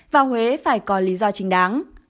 và huế phải có lý do chính đáng